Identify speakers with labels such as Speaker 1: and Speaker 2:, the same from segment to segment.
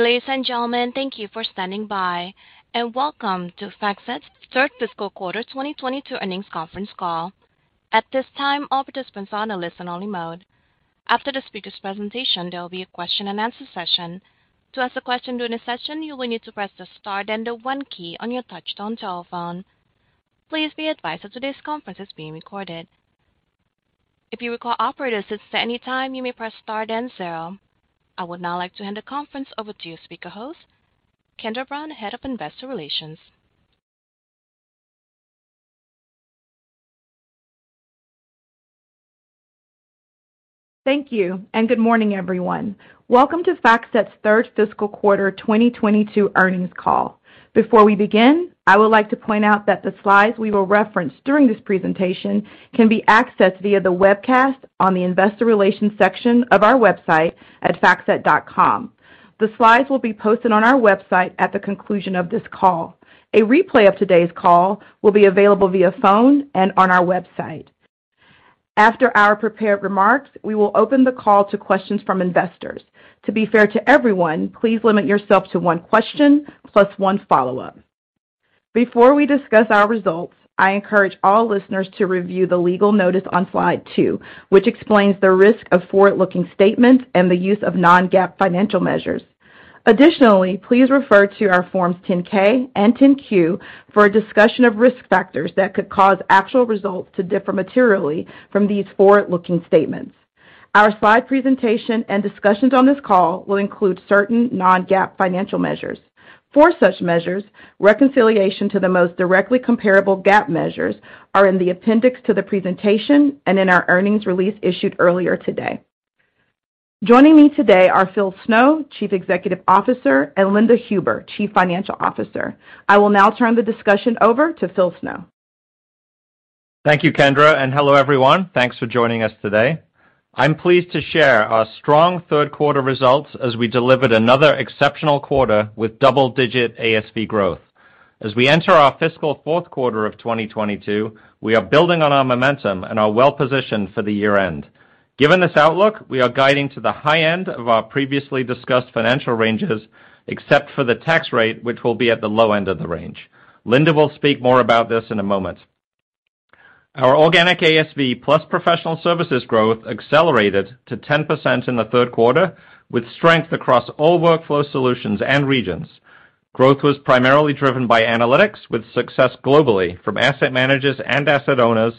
Speaker 1: Ladies and gentlemen, thank you for standing by, and welcome to FactSet third fiscal quarter 2022 earnings conference call. At this time, all participants are in a listen-only mode. After the speaker's presentation, there will be a question and answer session. To ask a question during the session, you will need to press star, then the one key on your touchtone telephone. Please be advised that today's conference is being recorded. If you require operator assistance at any time, you may press star then zero. I would now like to hand the conference over to your speaker host, Kendra Brown, Head of Investor Relations.
Speaker 2: Thank you and good morning, everyone. Welcome to FactSet's third fiscal quarter 2022 earnings call. Before we begin, I would like to point out that the slides we will reference during this presentation can be accessed via the webcast on the investor relations section of our website at factset.com. The slides will be posted on our website at the conclusion of this call. A replay of today's call will be available via phone and on our website. After our prepared remarks, we will open the call to questions from investors. To be fair to everyone, please limit yourself to one question plus one follow-up. Before we discuss our results, I encourage all listeners to review the legal notice on slide two, which explains the risk of forward-looking statements and the use of non-GAAP financial measures. Additionally, please refer to our Forms 10-K and 10-Q for a discussion of risk factors that could cause actual results to differ materially from these forward-looking statements. Our slide presentation and discussions on this call will include certain non-GAAP financial measures. For such measures, reconciliation to the most directly comparable GAAP measures are in the appendix to the presentation and in our earnings release issued earlier today. Joining me today are Phil Snow, Chief Executive Officer, and Linda S. Huber, Chief Financial Officer. I will now turn the discussion over to Phil Snow.
Speaker 3: Thank you, Kendra, and hello, everyone. Thanks for joining us today. I'm pleased to share our strong third quarter results as we delivered another exceptional quarter with double-digit ASV growth. As we enter our fiscal fourth quarter of 2022, we are building on our momentum and are well positioned for the year-end. Given this outlook, we are guiding to the high end of our previously discussed financial ranges, except for the tax rate, which will be at the low end of the range. Linda will speak more about this in a moment. Our organic ASV plus professional services growth accelerated to 10% in the third quarter, with strength across all workflow solutions and regions. Growth was primarily driven by analytics, with success globally from asset managers and asset owners,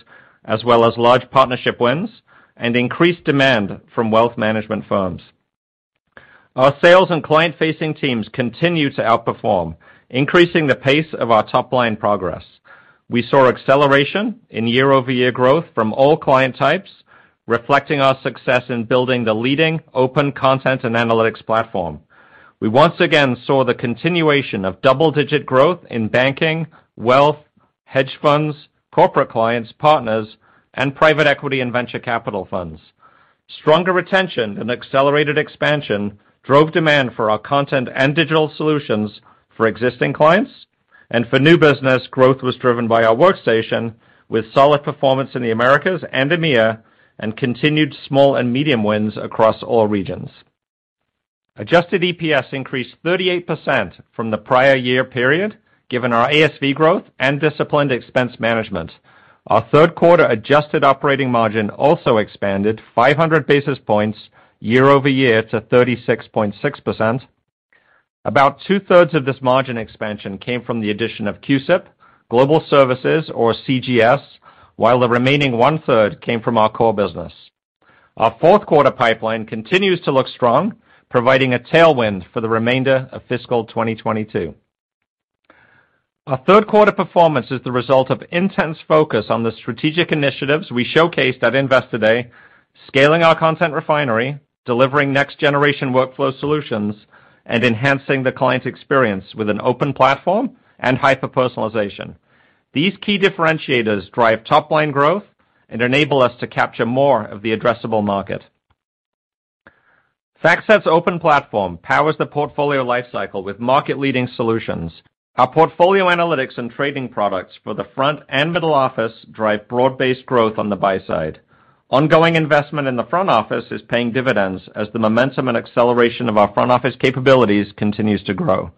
Speaker 3: as well as large partnership wins and increased demand from wealth management firms. Our sales and client-facing teams continue to outperform, increasing the pace of our top line progress. We saw acceleration in year-over-year growth from all client types, reflecting our success in building the leading open content and analytics platform. We once again saw the continuation of double-digit growth in banking, wealth, hedge funds, corporate clients, partners, and private equity and venture capital funds. Stronger retention and accelerated expansion drove demand for our content and digital solutions for existing clients, and for new business, growth was driven by our workstation, with solid performance in the Americas and EMEA, and continued small and medium wins across all regions. Adjusted EPS increased 38% from the prior year period, given our ASV growth and disciplined expense management. Our third quarter adjusted operating margin also expanded 500 basis points year over year to 36.6%. About two-thirds of this margin expansion came from the addition of CUSIP Global Services or CGS, while the remaining 1/3 came from our core business. Our fourth quarter pipeline continues to look strong, providing a tailwind for the remainder of fiscal 2022. Our third quarter performance is the result of intense focus on the strategic initiatives we showcased at Investor Day, scaling our content refinery, delivering next generation workflow solutions, and enhancing the client experience with an open platform and hyper-personalization. These key differentiators drive top-line growth and enable us to capture more of the addressable market. FactSet's open platform powers the portfolio lifecycle with market-leading solutions. Our portfolio analytics and trading products for the front and middle office drive broad-based growth on the buy side. Ongoing investment in the front office is paying dividends as the momentum and acceleration of our front office capabilities continues to grow.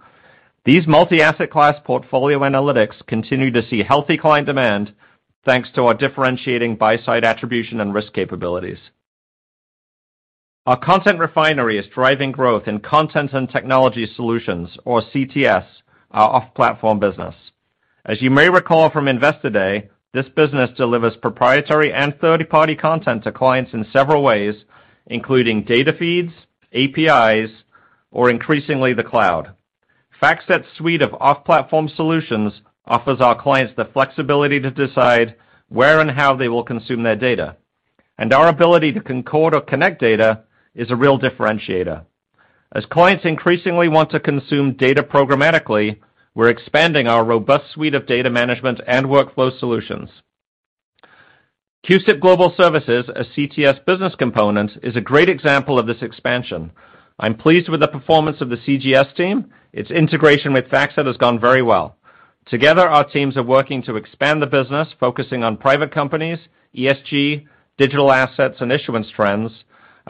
Speaker 3: These multi-asset class portfolio analytics continue to see healthy client demand, thanks to our differentiating buy side attribution and risk capabilities. Our content refinery is driving growth in content and technology solutions, or CTS, our off-platform business. As you may recall from Investor Day, this business delivers proprietary and third-party content to clients in several ways, including data feeds, APIs, or increasingly, the cloud. FactSet's suite of off-platform solutions offers our clients the flexibility to decide where and how they will consume their data, and our ability to concord or connect data is a real differentiator. As clients increasingly want to consume data programmatically, we're expanding our robust suite of data management and workflow solutions. CUSIP Global Services, a CTS business component, is a great example of this expansion. I'm pleased with the performance of the CGS team. Its integration with FactSet has gone very well. Together, our teams are working to expand the business, focusing on private companies, ESG, digital assets, and issuance trends.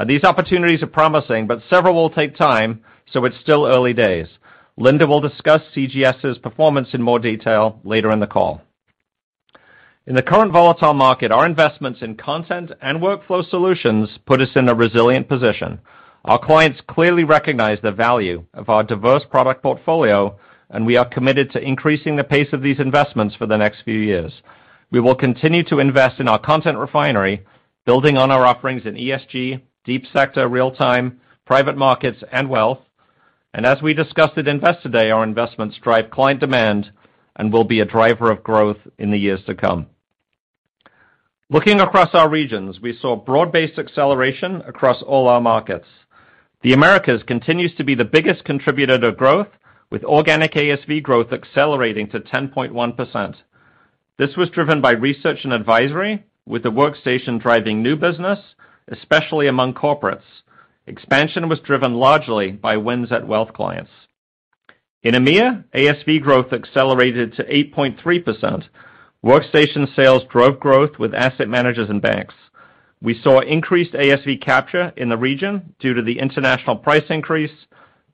Speaker 3: These opportunities are promising, but several will take time, so it's still early days. Linda will discuss CGS's performance in more detail later in the call. In the current volatile market, our investments in content and workflow solutions put us in a resilient position. Our clients clearly recognize the value of our diverse product portfolio, and we are committed to increasing the pace of these investments for the next few years. We will continue to invest in our content refinery, building on our offerings in ESG, deep sector, real-time, private markets, and wealth. As we discussed at Investor Day, our investments drive client demand and will be a driver of growth in the years to come. Looking across our regions, we saw broad-based acceleration across all our markets. The Americas continues to be the biggest contributor to growth, with organic ASV growth accelerating to 10.1%. This was driven by research and advisory, with the work station driving new business, especially among corporates. Expansion was driven largely by wins at wealth clients. In EMEA, ASV growth accelerated to 8.3%. Workstation sales drove growth with asset managers and banks. We saw increased ASV capture in the region due to the international price increase,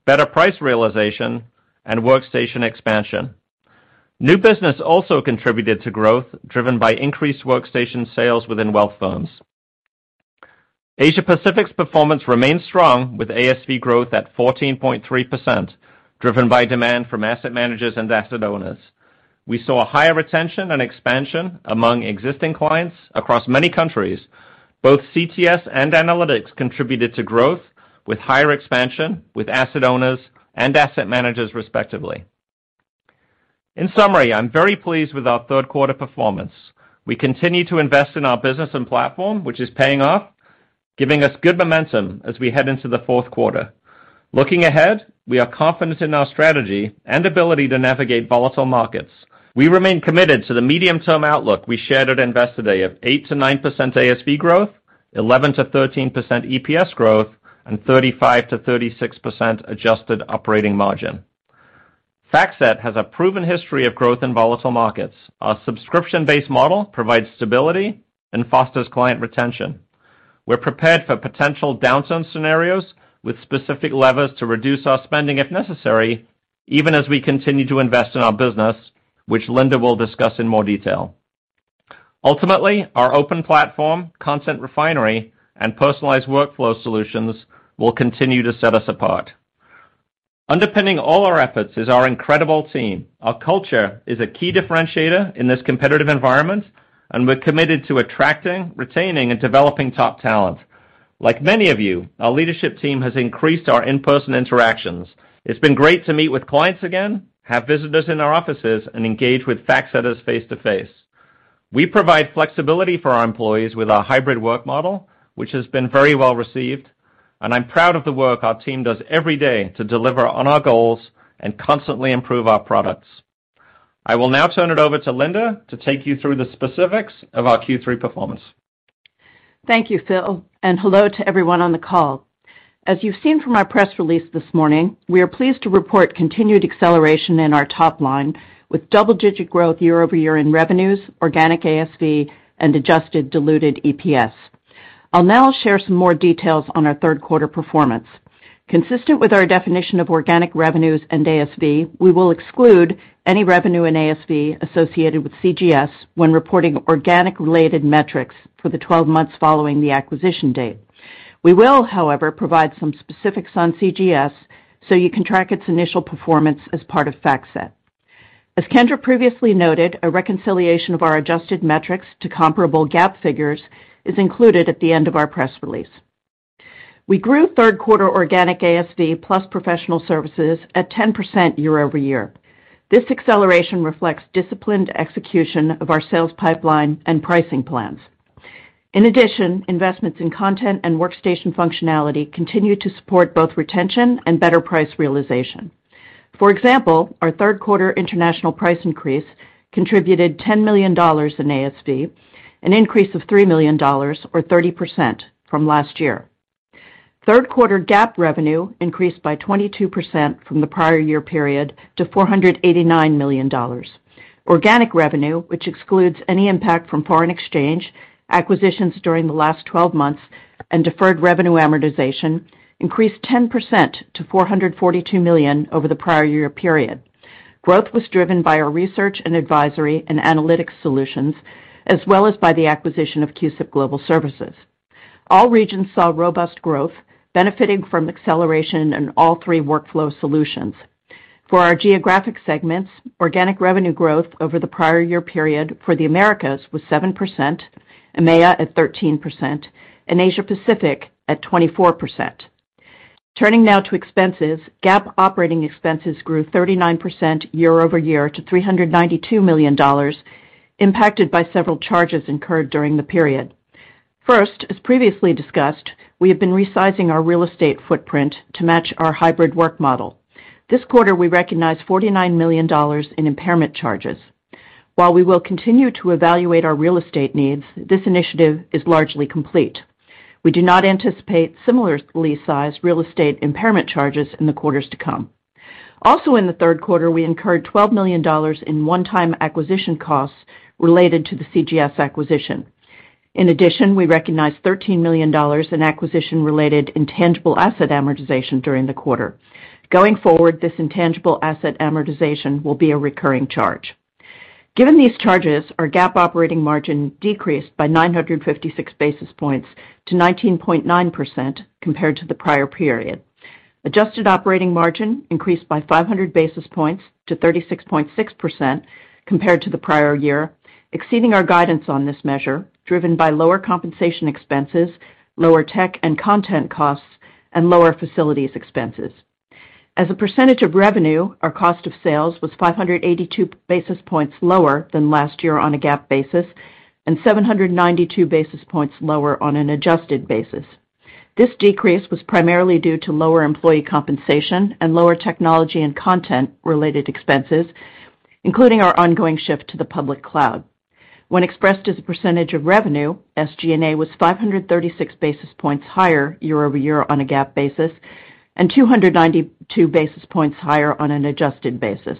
Speaker 3: better price realization, and workstation expansion. New business also contributed to growth, driven by increased workstation sales within wealth firms. Asia Pacific's performance remained strong, with ASV growth at 14.3%, driven by demand from asset managers and asset owners. We saw higher retention and expansion among existing clients across many countries. Both CTS and analytics contributed to growth, with higher expansion with asset owners and asset managers, respectively. In summary, I'm very pleased with our third quarter performance. We continue to invest in our business and platform, which is paying off, giving us good momentum as we head into the fourth quarter. Looking ahead, we are confident in our strategy and ability to navigate volatile markets. We remain committed to the medium-term outlook we shared at Investor Day of 8%-9% ASV growth, 11%-13% EPS growth, and 35%-36% adjusted operating margin. FactSet has a proven history of growth in volatile markets. Our subscription-based model provides stability and fosters client retention. We're prepared for potential downturn scenarios with specific levers to reduce our spending if necessary, even as we continue to invest in our business, which Linda will discuss in more detail. Ultimately, our open platform, content refinery, and personalized workflow solutions will continue to set us apart. Underpinning all our efforts is our incredible team. Our culture is a key differentiator in this competitive environment, and we're committed to attracting, retaining, and developing top talent. Like many of you, our leadership team has increased our in-person interactions. It's been great to meet with clients again, have visitors in our offices, and engage with FactSetters face-to-face. We provide flexibility for our employees with our hybrid work model, which has been very well-received, and I'm proud of the work our team does every day to deliver on our goals and constantly improve our products. I will now turn it over to Linda to take you through the specifics of our Q3 performance.
Speaker 4: Thank you, Phil, and hello to everyone on the call. As you've seen from our press release this morning, we are pleased to report continued acceleration in our top line, with double-digit growth year-over-year in revenues, organic ASV, and adjusted diluted EPS. I'll now share some more details on our third quarter performance. Consistent with our definition of organic revenues and ASV, we will exclude any revenue in ASV associated with CGS when reporting organic-related metrics for the 12 months following the acquisition date. We will, however, provide some specifics on CGS so you can track its initial performance as part of FactSet. As Kendra previously noted, a reconciliation of our adjusted metrics to comparable GAAP figures is included at the end of our press release. We grew third quarter organic ASV plus professional services at 10% year-over-year. This acceleration reflects disciplined execution of our sales pipeline and pricing plans. In addition, investments in content and workstation functionality continue to support both retention and better price realization. For example, our third quarter international price increase contributed $10 million in ASV, an increase of $3 million or 30% from last year. Third quarter GAAP revenue increased by 22% from the prior year period to $489 million. Organic revenue, which excludes any impact from foreign exchange, acquisitions during the last twelve months, and deferred revenue amortization, increased 10% to $442 million over the prior year period. Growth was driven by our research and advisory and analytics solutions, as well as by the acquisition of CUSIP Global Services. All regions saw robust growth, benefiting from acceleration in all three workflow solutions. For our geographic segments, organic revenue growth over the prior year period for the Americas was 7%, EMEA at 13%, and Asia Pacific at 24%. Turning now to expenses, GAAP operating expenses grew 39% year-over-year to $392 million, impacted by several charges incurred during the period. First, as previously discussed, we have been resizing our real estate footprint to match our hybrid work model. This quarter, we recognized $49 million in impairment charges. While we will continue to evaluate our real estate needs, this initiative is largely complete. We do not anticipate similarly sized real estate impairment charges in the quarters to come. Also in the third quarter, we incurred $12 million in one-time acquisition costs related to the CGS acquisition. In addition, we recognized $13 million in acquisition-related intangible asset amortization during the quarter. Going forward, this intangible asset amortization will be a recurring charge. Given these charges, our GAAP operating margin decreased by 956 basis points to 19.9% compared to the prior period. Adjusted operating margin increased by 500 basis points to 36.6% compared to the prior year, exceeding our guidance on this measure, driven by lower compensation expenses, lower tech and content costs, and lower facilities expenses. As a percentage of revenue, our cost of sales was 582 basis points lower than last year on a GAAP basis and 792 basis points lower on an adjusted basis. This decrease was primarily due to lower employee compensation and lower technology and content-related expenses, including our ongoing shift to the public cloud. When expressed as a percentage of revenue, SG&A was 536 basis points higher year-over-year on a GAAP basis and 292 basis points higher on an adjusted basis.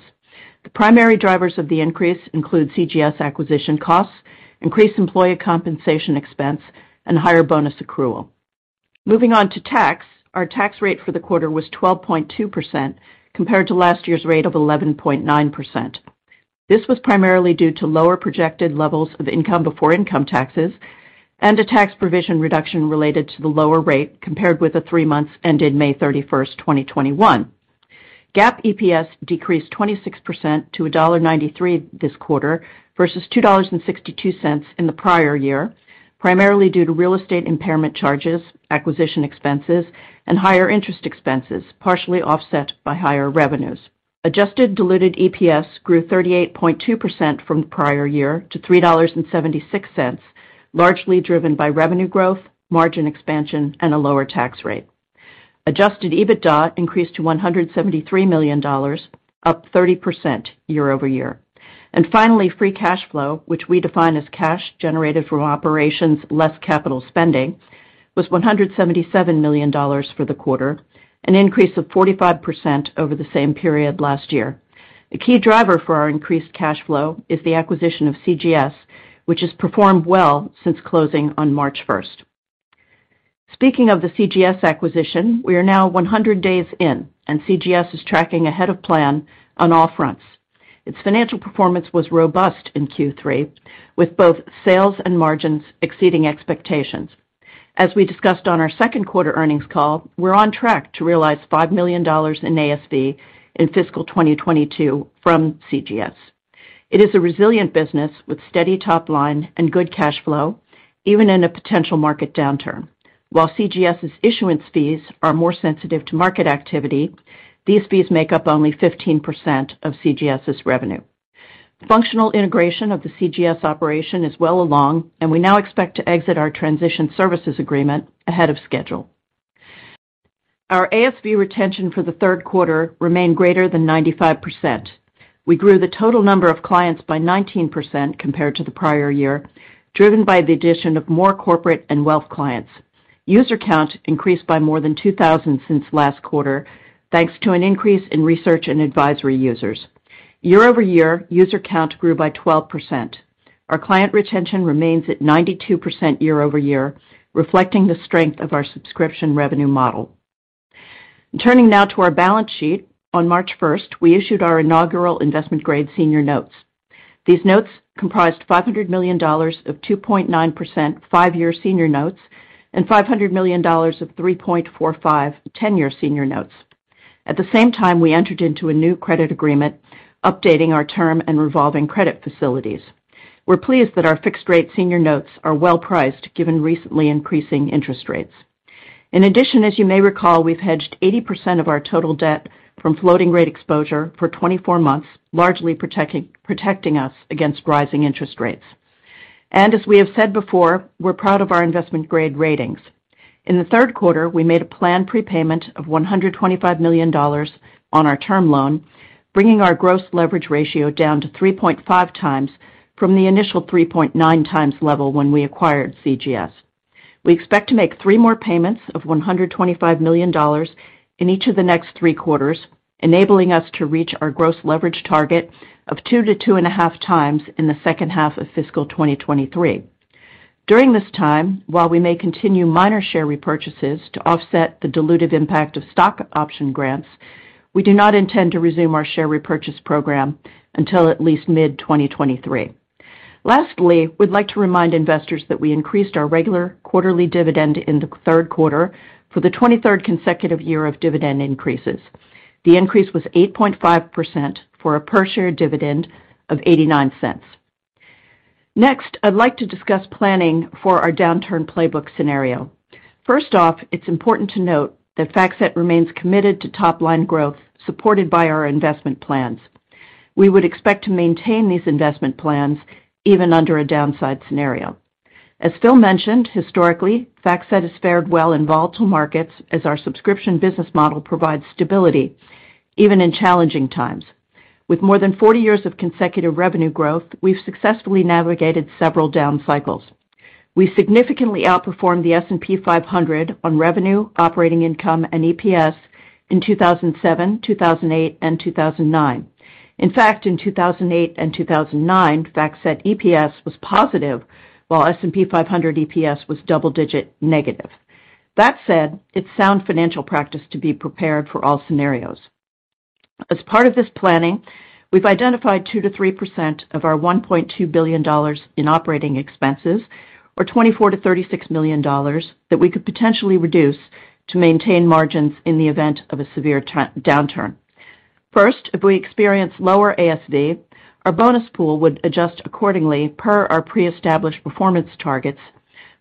Speaker 4: The primary drivers of the increase include CGS acquisition costs, increased employee compensation expense, and higher bonus accrual. Moving on to tax. Our tax rate for the quarter was 12.2% compared to last year's rate of 11.9%. This was primarily due to lower projected levels of income before income taxes and a tax provision reduction related to the lower rate compared with the three months ended May 31, 2021. GAAP EPS decreased 26% to $1.93 this quarter versus $2.62 in the prior year, primarily due to real estate impairment charges, acquisition expenses, and higher interest expenses, partially offset by higher revenues. Adjusted diluted EPS grew 38.2% from the prior year to $3.76, largely driven by revenue growth, margin expansion, and a lower tax rate. Adjusted EBITDA increased to $173 million, up 30% year-over-year. Finally, free cash flow, which we define as cash generated from operations less capital spending, was $177 million for the quarter, an increase of 45% over the same period last year. The key driver for our increased cash flow is the acquisition of CGS, which has performed well since closing on March first. Speaking of the CGS acquisition, we are now 100 days in, and CGS is tracking ahead of plan on all fronts. Its financial performance was robust in Q3, with both sales and margins exceeding expectations. As we discussed on our second quarter earnings call, we're on track to realize $5 million in ASV in fiscal 2022 from CGS. It is a resilient business with steady top line and good cash flow, even in a potential market downturn. While CGS's issuance fees are more sensitive to market activity, these fees make up only 15% of CGS's revenue. Functional integration of the CGS operation is well along, and we now expect to exit our transition services agreement ahead of schedule. Our ASV retention for the third quarter remained greater than 95%. We grew the total number of clients by 19% compared to the prior year, driven by the addition of more corporate and wealth clients. User count increased by more than 2,000 since last quarter, thanks to an increase in research and advisory users. Year-over-year, user count grew by 12%. Our client retention remains at 92% year-over-year, reflecting the strength of our subscription revenue model. Turning now to our balance sheet. On March first, we issued our inaugural investment-grade senior notes. These notes comprised $500 million of 2.9% five-year senior notes and $500 million of 3.45% 10-year senior notes. At the same time, we entered into a new credit agreement updating our term and revolving credit facilities. We're pleased that our fixed-rate senior notes are well-priced given recently increasing interest rates. In addition, as you may recall, we've hedged 80% of our total debt from floating rate exposure for 24 months, largely protecting us against rising interest rates. As we have said before, we're proud of our investment-grade ratings. In the third quarter, we made a planned prepayment of $125 million on our term loan, bringing our gross leverage ratio down to 3.5x from the initial 3.9x level when we acquired CGS. We expect to make three more payments of $125 million in each of the next three quarters, enabling us to reach our gross leverage target of 2x-2.5x in the second half of fiscal 2023. During this time, while we may continue minor share repurchases to offset the dilutive impact of stock option grants, we do not intend to resume our share repurchase program until at least mid-2023. We'd like to remind investors that we increased our regular quarterly dividend in the third quarter for the 23rd consecutive year of dividend increases. The increase was 8.5% for a per share dividend of $0.89. I'd like to discuss planning for our downturn playbook scenario. It's important to note that FactSet remains committed to top-line growth supported by our investment plans. We would expect to maintain these investment plans even under a downside scenario. As Phil mentioned, historically, FactSet has fared well in volatile markets as our subscription business model provides stability even in challenging times. With more than 40 years of consecutive revenue growth, we've successfully navigated several down cycles. We significantly outperformed the S&P 500 on revenue, operating income, and EPS in 2007, 2008, and 2009. In fact, in 2008 and 2009, FactSet EPS was positive while S&P 500 EPS was double-digit negative. That said, it's sound financial practice to be prepared for all scenarios. As part of this planning, we've identified 2%-3% of our $1.2 billion in operating expenses or $24 million-$36 million that we could potentially reduce to maintain margins in the event of a severe downturn. First, if we experience lower ASV, our bonus pool would adjust accordingly per our pre-established performance targets,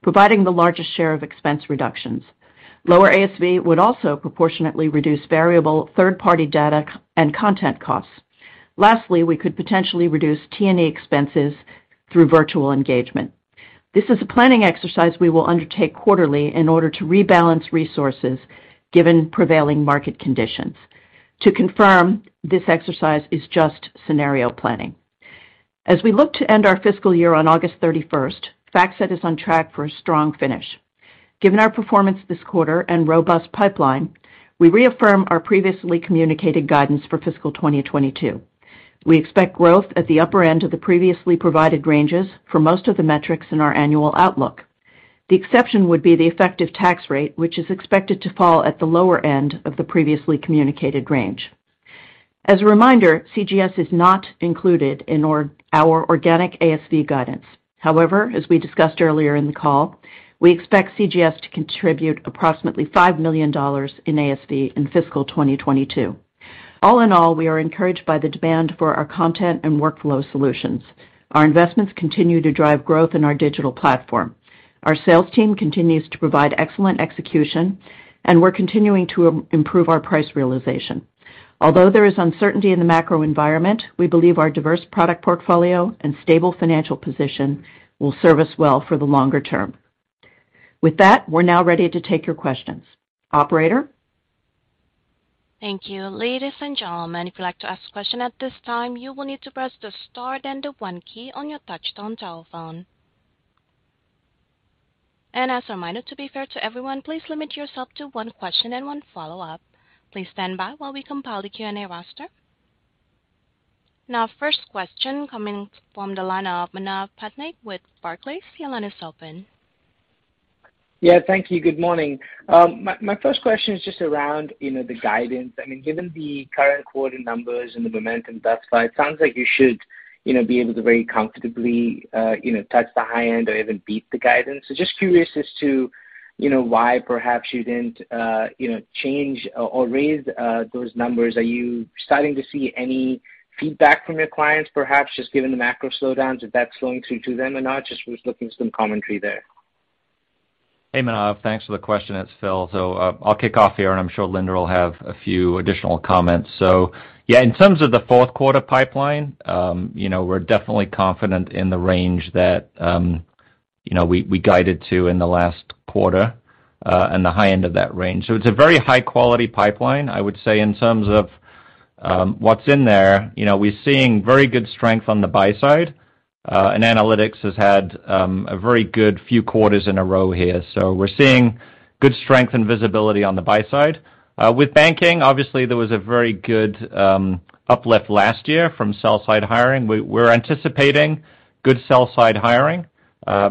Speaker 4: providing the largest share of expense reductions. Lower ASV would also proportionately reduce variable third-party data and content costs. Lastly, we could potentially reduce T&E expenses through virtual engagement. This is a planning exercise we will undertake quarterly in order to rebalance resources given prevailing market conditions. To confirm, this exercise is just scenario planning. As we look to end our fiscal year on August 31st, FactSet is on track for a strong finish. Given our performance this quarter and robust pipeline, we reaffirm our previously communicated guidance for fiscal 2022. We expect growth at the upper end of the previously provided ranges for most of the metrics in our annual outlook. The exception would be the effective tax rate, which is expected to fall at the lower end of the previously communicated range. As a reminder, CGS is not included in our organic ASV guidance. However, as we discussed earlier in the call, we expect CGS to contribute approximately $5 million in ASV in fiscal 2022. All in all, we are encouraged by the demand for our content and workflow solutions. Our investments continue to drive growth in our digital platform. Our sales team continues to provide excellent execution, and we're continuing to improve our price realization. Although there is uncertainty in the macro environment, we believe our diverse product portfolio and stable financial position will serve us well for the longer term. With that, we're now ready to take your questions. Operator?
Speaker 1: Thank you. Ladies and gentlemen, if you'd like to ask a question at this time, you will need to press the star then the one key on your touchtone telephone. As a reminder to be fair to everyone, please limit yourself to one question and one follow-up. Please stand by while we compile the Q&A roster. Now first question coming from the line of Manav Patnaik with Barclays. Your line is open.
Speaker 5: Yeah, thank you. Good morning. My first question is just around, you know, the guidance. I mean, given the current quarter numbers and the momentum thus far, it sounds like you should, you know, be able to very comfortably, you know, touch the high end or even beat the guidance. Just curious as to, you know, why perhaps you didn't, you know, change or raise, those numbers. Are you starting to see any feedback from your clients, perhaps just given the macro slowdowns, if that's flowing through to them or not? Just was looking for some commentary there.
Speaker 3: Hey, Manav. Thanks for the question. It's Phil. I'll kick off here, and I'm sure Linda will have a few additional comments. Yeah, in terms of the fourth quarter pipeline, you know, we're definitely confident in the range that, you know, we guided to in the last quarter, and the high end of that range. It's a very high-quality pipeline. I would say in terms of what's in there, you know, we're seeing very good strength on the buy side, and analytics has had a very good few quarters in a row here. We're seeing good strength and visibility on the buy side. With banking, obviously, there was a very good uplift last year from sell-side hiring.
Speaker 4: We're anticipating good sell-side hiring,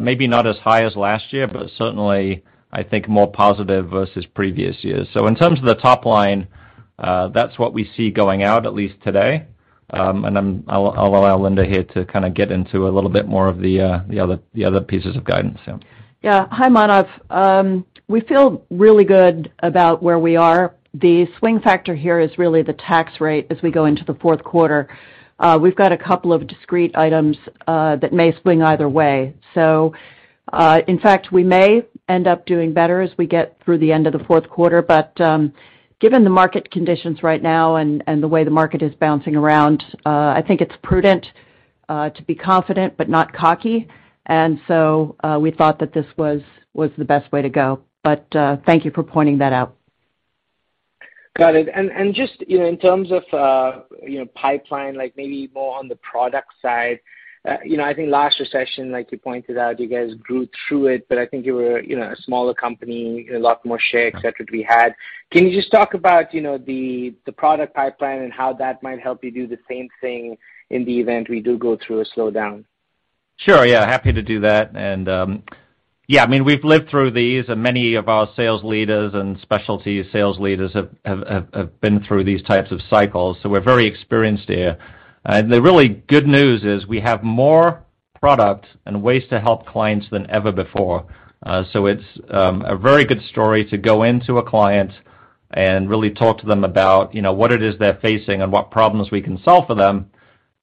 Speaker 4: maybe not as high as last year, but certainly I think more positive versus previous years. In terms of the top line, that's what we see going out at least today. I'll allow Linda here to kind of get into a little bit more of the other pieces of guidance. Hi, Manav. We feel really good about where we are. The swing factor here is really the tax rate as we go into the fourth quarter. We've got a couple of discrete items that may swing either way. In fact, we may end up doing better as we get through the end of the fourth quarter. Given the market conditions right now and the way the market is bouncing around, I think it's prudent to be confident but not cocky. We thought that this was the best way to go. Thank you for pointing that out.
Speaker 5: Got it. Just, you know, in terms of, you know, pipeline, like maybe more on the product side, you know, I think last recession, like you pointed out, you guys grew through it, but I think you were, you know, a smaller company, a lot more share, et cetera, to be had. Can you just talk about, you know, the product pipeline and how that might help you do the same thing in the event we do go through a slowdown?
Speaker 3: Sure. Yeah, happy to do that. Yeah, I mean, we've lived through these and many of our sales leaders and specialty sales leaders have been through these types of cycles, so we're very experienced here. The really good news is we have more product and ways to help clients than ever before. It's a very good story to go into a client and really talk to them about, you know, what it is they're facing and what problems we can solve for them.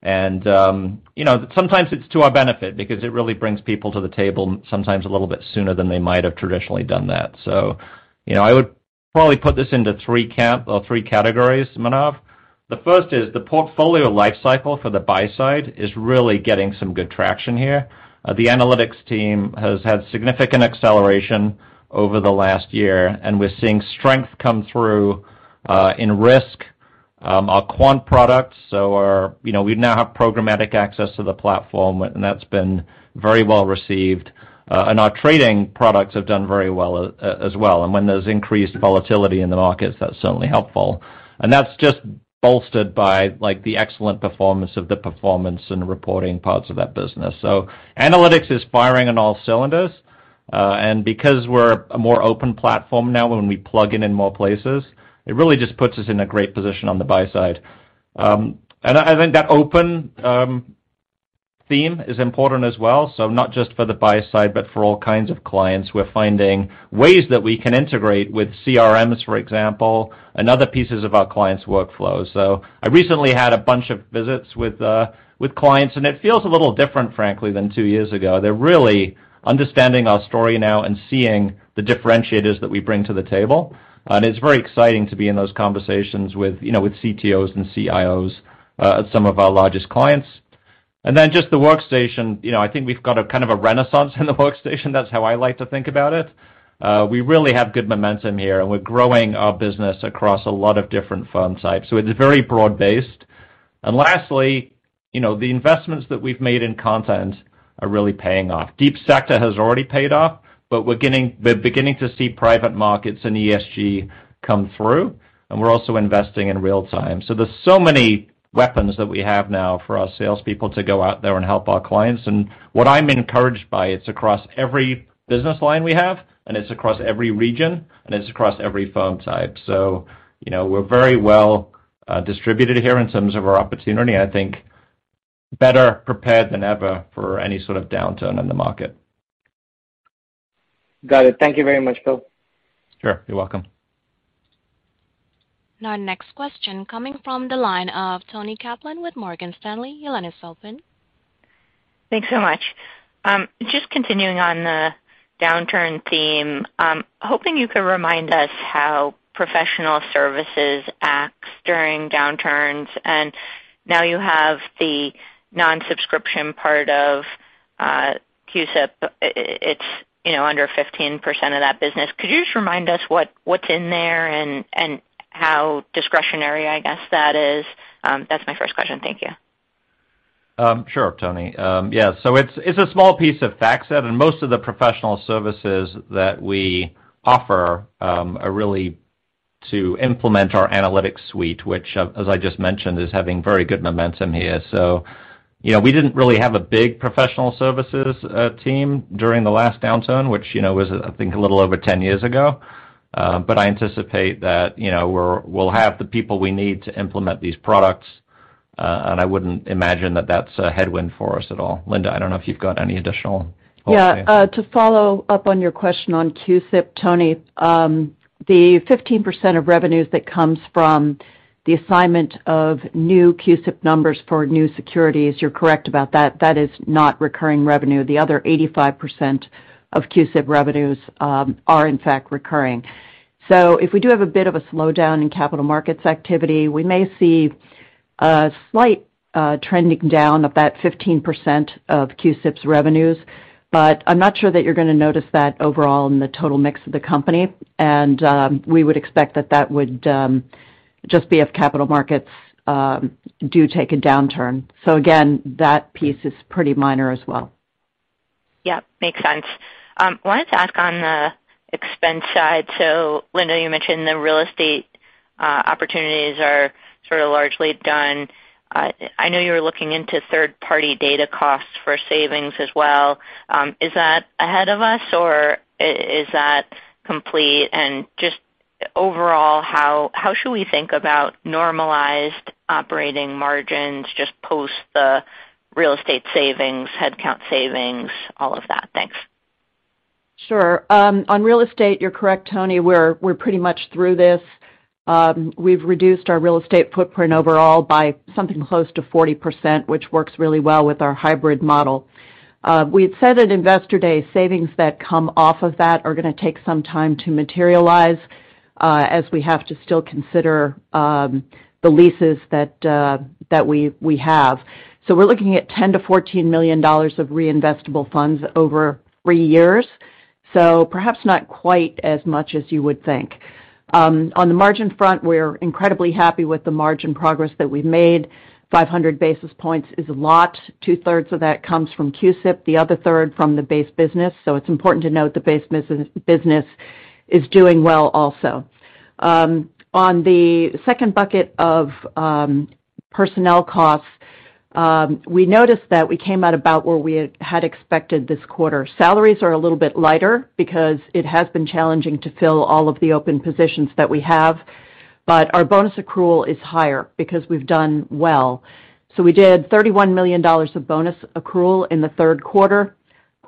Speaker 3: You know, sometimes it's to our benefit because it really brings people to the table sometimes a little bit sooner than they might have traditionally done that. You know, I would probably put this into three camps or three categories, Manav. The first is the portfolio life cycle for the buy side is really getting some good traction here. The analytics team has had significant acceleration over the last year, and we're seeing strength come through in risk, our quant products. You know, we now have programmatic access to the platform, and that's been very well received. Our trading products have done very well as well. When there's increased volatility in the markets, that's certainly helpful. That's just bolstered by, like, the excellent performance of the performance and reporting parts of that business. Analytics is firing on all cylinders, and because we're a more open platform now, when we plug in more places, it really just puts us in a great position on the buy side. I think that open theme is important as well. Not just for the buy side, but for all kinds of clients. We're finding ways that we can integrate with CRMs, for example, and other pieces of our clients' workflows. I recently had a bunch of visits with clients, and it feels a little different, frankly, than two years ago. They're really understanding our story now and seeing the differentiators that we bring to the table. It's very exciting to be in those conversations with, you know, with CTOs and CIOs, some of our largest clients. Just the workstation, you know, I think we've got a kind of a renaissance in the workstation. That's how I like to think about it. We really have good momentum here, and we're growing our business across a lot of different fund types, so it's very broad-based. Lastly, you know, the investments that we've made in content are really paying off. deep sector has already paid off, but we're beginning to see private markets and ESG come through, and we're also investing in real time. There's so many weapons that we have now for our salespeople to go out there and help our clients. What I'm encouraged by, it's across every business line we have, and it's across every region, and it's across every fund type. You know, we're very well distributed here in terms of our opportunity and I think better prepared than ever for any sort of downturn in the market.
Speaker 5: Got it. Thank you very much, Phil.
Speaker 3: Sure. You're welcome.
Speaker 1: Now our next question coming from the line of Toni Kaplan with Morgan Stanley. Your line is open.
Speaker 6: Thanks so much. Just continuing on the downturn theme, hoping you could remind us how professional services acts during downturns, and now you have the non-subscription part of CUSIP, it's, you know, under 15% of that business. Could you just remind us what's in there and how discretionary, I guess, that is? That's my first question. Thank you.
Speaker 3: Sure, Toni. Yeah. It's a small piece of FactSet, and most of the professional services that we offer are really to implement our analytics suite, which, as I just mentioned, is having very good momentum here. You know, we didn't really have a big professional services team during the last downturn, which, you know, was I think a little over 10 years ago. I anticipate that, you know, we'll have the people we need to implement these products, and I wouldn't imagine that that's a headwind for us at all. Linda, I don't know if you've got any additional thoughts here.
Speaker 4: Yeah. To follow up on your question on CUSIP, Toni, the 15% of revenues that comes from the assignment of new CUSIP numbers for new securities, you're correct about that. That is not recurring revenue. The other 85% of CUSIP revenues are in fact recurring. If we do have a bit of a slowdown in capital markets activity, we may see a slight trending down of that 15% of CUSIP's revenues, but I'm not sure that you're gonna notice that overall in the total mix of the company. We would expect that would just be if capital markets do take a downturn. Again, that piece is pretty minor as well.
Speaker 6: Yeah. Makes sense. Wanted to ask on the expense side. Linda, you mentioned the real estate opportunities are sort of largely done. I know you were looking into third-party data costs for savings as well. Is that ahead of us or is that complete? Just overall, how should we think about normalized operating margins just post the real estate savings, headcount savings, all of that? Thanks.
Speaker 4: Sure. On real estate, you're correct, Toni. We're pretty much through this. We've reduced our real estate footprint overall by something close to 40%, which works really well with our hybrid model. We had said at Investor Day, savings that come off of that are gonna take some time to materialize, as we have to still consider the leases that we have. We're looking at $10 million-$14 million of reinvestable funds over three years, so perhaps not quite as much as you would think. On the margin front, we're incredibly happy with the margin progress that we've made. 500 basis points is a lot. Two-thirds of that comes from CUSIP, the other third from the base business. It's important to note the base business is doing well also. On the second bucket of personnel costs, we noticed that we came out about where we had expected this quarter. Salaries are a little bit lighter because it has been challenging to fill all of the open positions that we have. Our bonus accrual is higher because we've done well. We did $31 million of bonus accrual in the third quarter.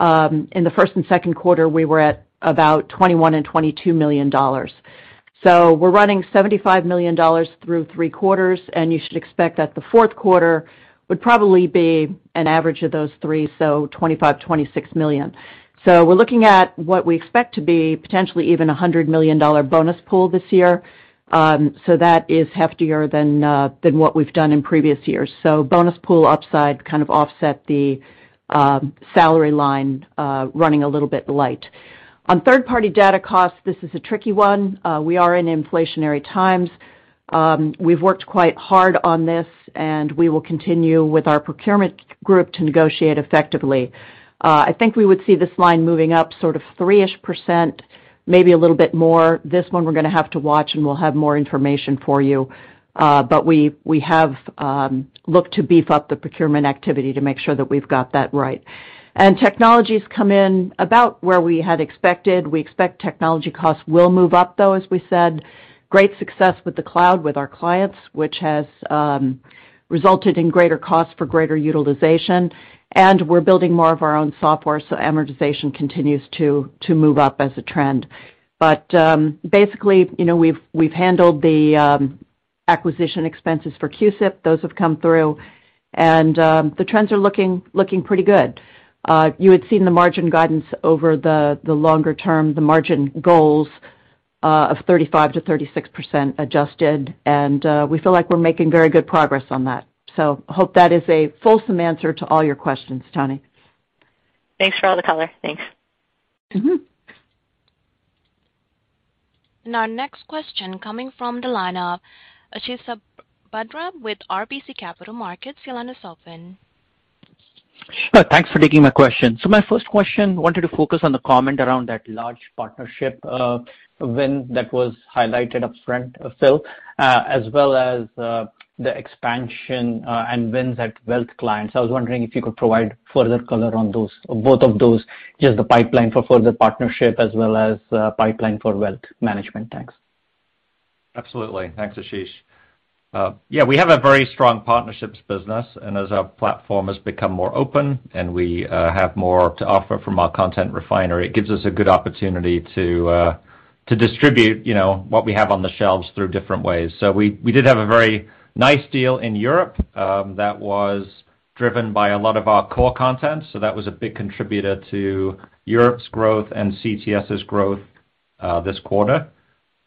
Speaker 4: In the first and second quarter, we were at about $21 million and $22 million. We're running $75 million through three quarters, and you should expect that the fourth quarter would probably be an average of those three, so $25 million- $26 million. We're looking at what we expect to be potentially even a $100 million bonus pool this year, so that is heftier than what we've done in previous years. Bonus pool upside kind of offset the salary line running a little bit light. On third-party data costs, this is a tricky one. We are in inflationary times. We've worked quite hard on this, and we will continue with our procurement group to negotiate effectively. I think we would see this line moving up sort of 3-ish%, maybe a little bit more. This one we're gonna have to watch, and we'll have more information for you. We have looked to beef up the procurement activity to make sure that we've got that right. Technology's come in about where we had expected. We expect technology costs will move up, though, as we said. Great success with the cloud with our clients, which has resulted in greater costs for greater utilization. We're building more of our own software, so amortization continues to move up as a trend. But basically, you know, we've handled the acquisition expenses for CUSIP. Those have come through, and the trends are looking pretty good. You had seen the margin guidance over the longer term, the margin goals of 35%-36% adjusted, and we feel like we're making very good progress on that. Hope that is a fulsome answer to all your questions, Toni.
Speaker 6: Thanks for all the color. Thanks.
Speaker 4: Mm-hmm.
Speaker 1: Our next question coming from the line of Ashish Sabadra with RBC Capital Markets. Your line is open.
Speaker 7: Sure. Thanks for taking my question. My first question wanted to focus on the comment around that large partnership win that was highlighted upfront, Phil, as well as the expansion and wins at wealth clients. I was wondering if you could provide further color on those, both of those, just the pipeline for further partnership as well as pipeline for wealth management. Thanks.
Speaker 3: Absolutely. Thanks, Ashish. Yeah, we have a very strong partnerships business, and as our platform has become more open and we have more to offer from our content refinery, it gives us a good opportunity to distribute, you know, what we have on the shelves through different ways. We did have a very nice deal in Europe, that was driven by a lot of our core content, so that was a big contributor to Europe's growth and CTS's growth, this quarter.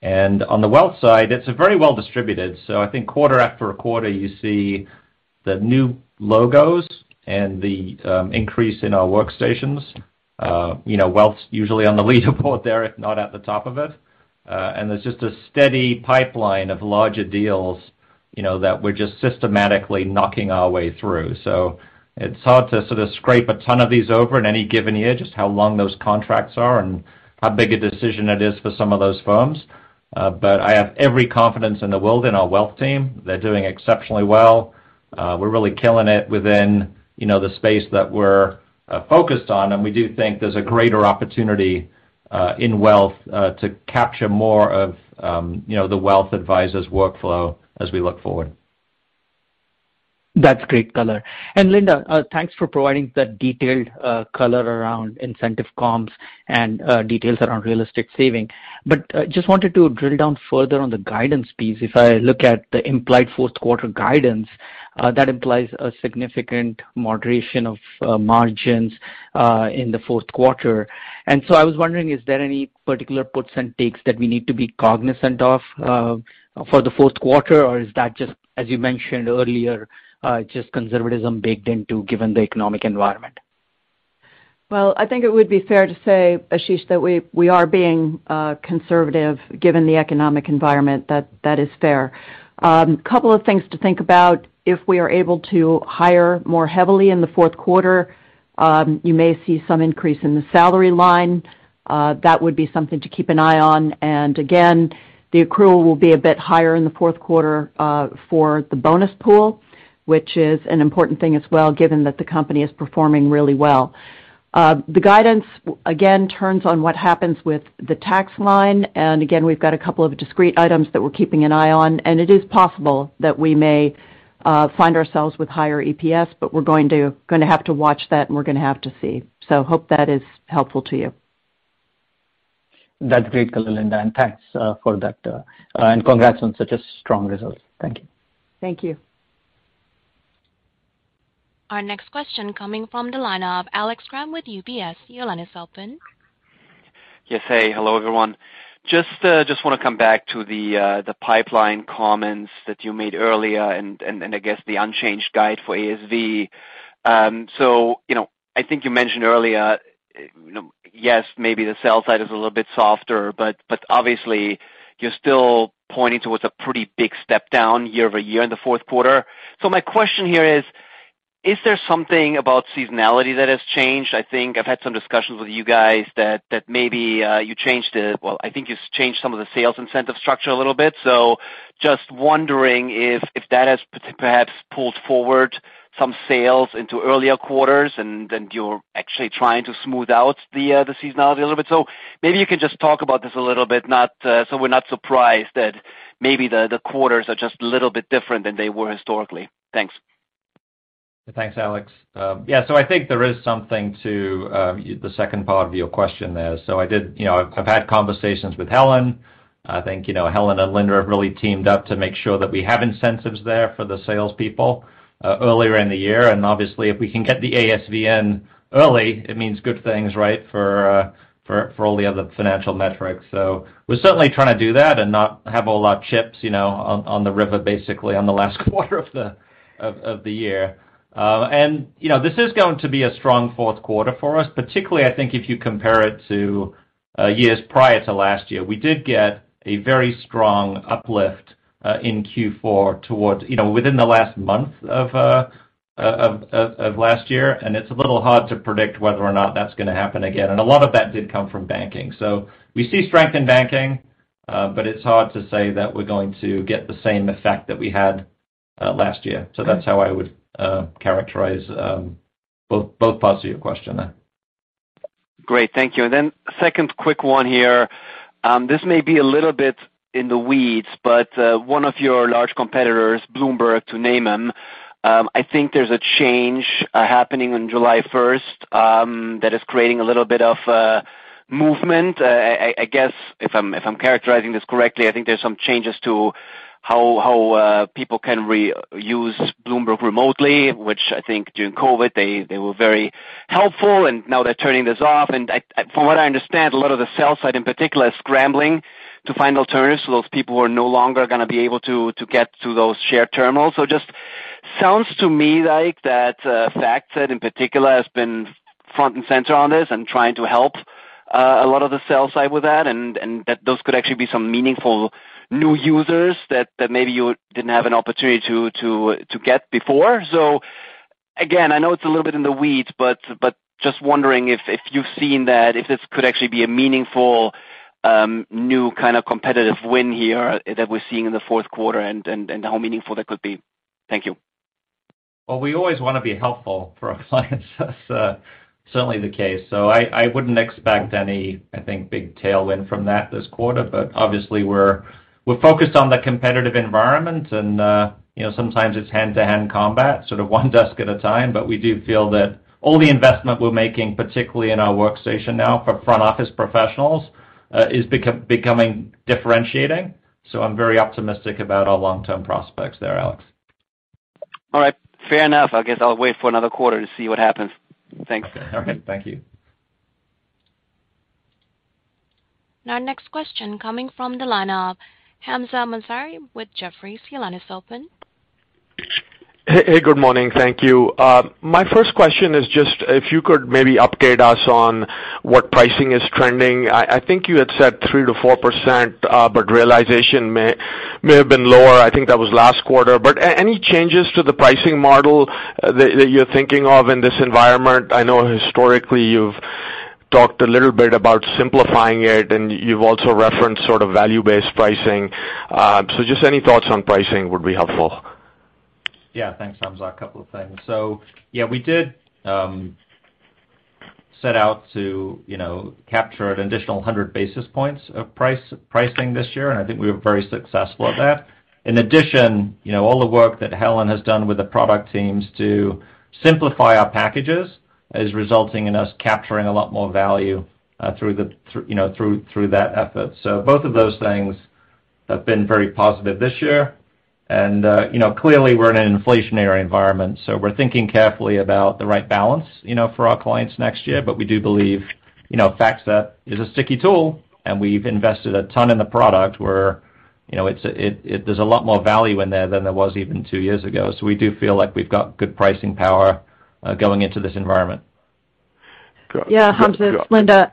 Speaker 3: On the wealth side, it's very well distributed, so I think quarter after quarter, you see the new logos and the increase in our workstations. You know, wealth's usually on the leaderboard there, if not at the top of it. There's just a steady pipeline of larger deals, you know, that we're just systematically knocking our way through. It's hard to sort of scrape a ton of these over in any given year, just how long those contracts are and how big a decision it is for some of those firms. I have every confidence in the world in our wealth team. They're doing exceptionally well. We're really killing it within, you know, the space that we're focused on. We do think there's a greater opportunity in wealth to capture more of, you know, the wealth advisor's workflow as we look forward.
Speaker 7: That's great color. Linda, thanks for providing the detailed color around incentive comps and details around realistic savings. Just wanted to drill down further on the guidance piece. If I look at the implied fourth quarter guidance, that implies a significant moderation of margins in the fourth quarter. I was wondering, is there any particular puts and takes that we need to be cognizant of for the fourth quarter? Or is that just, as you mentioned earlier, just conservatism baked in, given the economic environment?
Speaker 4: Well, I think it would be fair to say, Ashish, that we are being conservative given the economic environment. That is fair. Couple of things to think about. If we are able to hire more heavily in the fourth quarter, you may see some increase in the salary line. That would be something to keep an eye on. Again, the accrual will be a bit higher in the fourth quarter for the bonus pool, which is an important thing as well, given that the company is performing really well. The guidance, again, turns on what happens with the tax line. Again, we've got a couple of discrete items that we're keeping an eye on, and it is possible that we may find ourselves with higher EPS, but we're gonna have to watch that, and we're gonna have to see. Hope that is helpful to you.
Speaker 7: That's great color, Linda, and thanks for that. Congrats on such a strong result. Thank you.
Speaker 4: Thank you.
Speaker 1: Our next question coming from the line of Alex Kramm with UBS. Your line is open.
Speaker 8: Yes. Hey. Hello, everyone. Just wanna come back to the pipeline comments that you made earlier and I guess the unchanged guide for ASV. You know, I think you mentioned earlier, you know, yes, maybe the sales side is a little bit softer, but obviously you're still pointing towards a pretty big step down year-over-year in the fourth quarter. My question here is there something about seasonality that has changed? I think I've had some discussions with you guys. Well, I think you've changed some of the sales incentive structure a little bit. Just wondering if that has perhaps pulled forward some sales into earlier quarters and you're actually trying to smooth out the seasonality a little bit. Maybe you can just talk about this a little bit so we're not surprised that maybe the quarters are just a little bit different than they were historically. Thanks.
Speaker 3: Thanks, Alex. Yeah, I think there is something to the second part of your question there. I did, you know, I've had conversations with Helen. I think, you know, Helen and Linda have really teamed up to make sure that we have incentives there for the salespeople earlier in the year. Obviously, if we can get the ASV in early, it means good things, right, for all the other financial metrics. We're certainly trying to do that and not have a lot of chips, you know, on the river, basically on the last quarter of the year. You know, this is going to be a strong fourth quarter for us, particularly I think if you compare it to years prior to last year. We did get a very strong uplift in Q4, you know, within the last month of last year, and it's a little hard to predict whether or not that's gonna happen again. A lot of that did come from banking. We see strength in banking, but it's hard to say that we're going to get the same effect that we had last year. That's how I would characterize both parts of your question there.
Speaker 8: Great. Thank you. Second quick one here. This may be a little bit in the weeds, but one of your large competitors, Bloomberg, to name one, I think there's a change happening on July first that is creating a little bit of a movement. I guess, if I'm characterizing this correctly, I think there's some changes to how people can reuse Bloomberg remotely, which I think during COVID, they were very helpful, and now they're turning this off. From what I understand, a lot of the sell-side in particular is scrambling to find alternatives to those people who are no longer gonna be able to get to those shared terminals. Just sounds to me like that, FactSet in particular has been front and center on this and trying to help a lot of the sell side with that, and that those could actually be some meaningful new users that maybe you didn't have an opportunity to get before. I know it's a little bit in the weeds, but just wondering if you've seen that, if this could actually be a meaningful new kind of competitive win here that we're seeing in the fourth quarter and how meaningful that could be. Thank you.
Speaker 3: Well, we always wanna be helpful for our clients. That's certainly the case. I wouldn't expect any, I think, big tailwind from that this quarter. Obviously, we're focused on the competitive environment and, you know, sometimes it's hand-to-hand combat, sort of one desk at a time. We do feel that all the investment we're making, particularly in our workstation now for front office professionals, is becoming differentiating. I'm very optimistic about our long-term prospects there, Alex.
Speaker 8: All right. Fair enough. I guess I'll wait for another quarter to see what happens. Thanks.
Speaker 3: All right. Thank you.
Speaker 1: Now next question coming from the line of Hamzah Mazari with Jefferies. Your line is open.
Speaker 9: Hey, good morning. Thank you. My first question is just if you could maybe update us on what pricing is trending. I think you had said 3%-4%, but realization may have been lower. I think that was last quarter. Any changes to the pricing model that you're thinking of in this environment? I know historically you've talked a little bit about simplifying it, and you've also referenced sort of value-based pricing. Just any thoughts on pricing would be helpful.
Speaker 3: Yeah. Thanks, Hamzah. A couple of things. Yeah, we did set out to, you know, capture an additional 100 basis points of pricing this year, and I think we were very successful at that. In addition, you know, all the work that Helen has done with the product teams to simplify our packages is resulting in us capturing a lot more value through that effort. Both of those things have been very positive this year. Clearly we're in an inflationary environment, so we're thinking carefully about the right balance, you know, for our clients next year. We do believe, you know, FactSet is a sticky tool, and we've invested a ton in the product where, you know, there's a lot more value in there than there was even two years ago. We do feel like we've got good pricing power, going into this environment.
Speaker 9: Great.
Speaker 4: Yeah, Hamzah, it's Linda.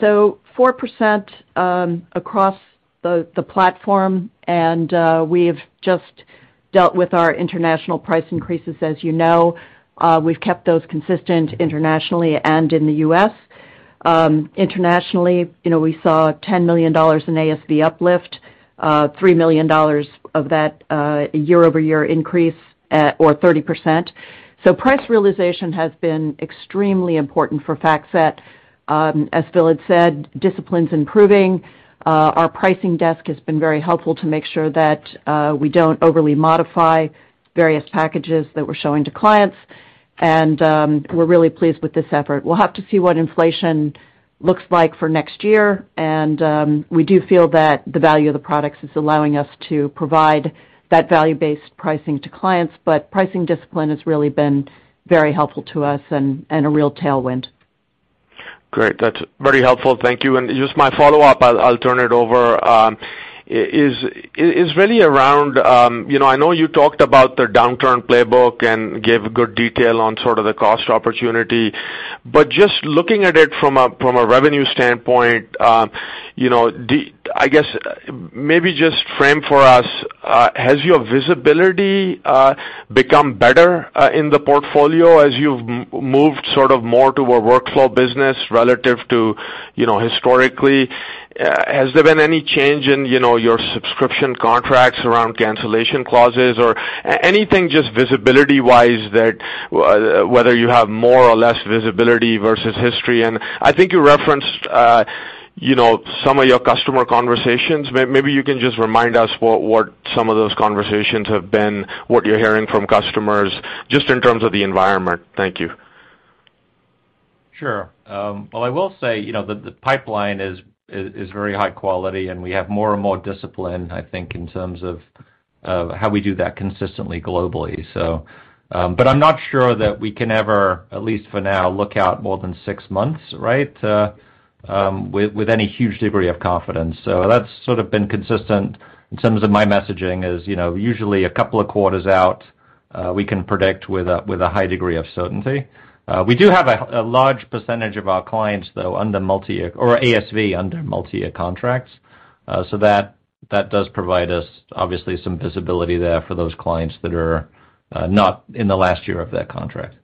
Speaker 4: So 4% across the platform, and we've just dealt with our international price increases. As you know, we've kept those consistent internationally and in the U.S. Internationally, you know, we saw $10 million in ASV uplift, $3 million of that year-over-year increase, or 30%. Price realization has been extremely important for FactSet. As Phil had said, discipline's improving. Our pricing desk has been very helpful to make sure that we don't overly modify various packages that we're showing to clients. We're really pleased with this effort. We'll have to see what inflation looks like for next year, and we do feel that the value of the products is allowing us to provide that value-based pricing to clients. Pricing discipline has really been very helpful to us and a real tailwind.
Speaker 9: Great. That's very helpful. Thank you. Just my follow-up, I'll turn it over, is really around, you know, I know you talked about the downturn playbook and gave good detail on sort of the cost opportunity. Just looking at it from a revenue standpoint, you know, I guess maybe just frame for us, has your visibility become better in the portfolio as you've moved sort of more to a workflow business relative to, you know, historically? Has there been any change in, you know, your subscription contracts around cancellation clauses or anything just visibility-wise that whether you have more or less visibility versus history? I think you referenced, you know, some of your customer conversations. Maybe you can just remind us what some of those conversations have been, what you're hearing from customers, just in terms of the environment. Thank you.
Speaker 3: Sure. Well, I will say, you know, the pipeline is very high quality, and we have more and more discipline, I think, in terms of how we do that consistently globally. I'm not sure that we can ever, at least for now, look out more than six months, right? With any huge degree of confidence. That's sort of been consistent in terms of my messaging. You know, usually a couple of quarters out, we can predict with a high degree of certainty. We do have a large percentage of our clients, though, under multiyear or ASV under multiyear contracts. That does provide us, obviously, some visibility there for those clients that are not in the last year of that contract.